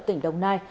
tỉnh đồng nai